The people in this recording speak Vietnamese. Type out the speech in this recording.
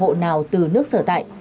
bộ nào từ nước sở tại